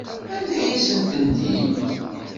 Anda ay asen-tendim?